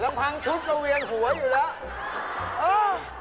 แล้วพังชุดกระเวียงหัวอยู่แล้ว